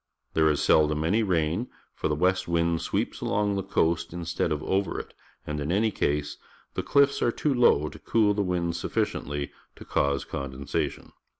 There is seldom any rain, for the west wind sweeps along the coast instead of over it, and, in any case, the chffs are too low to cool the wind sufficiently to cause condensation.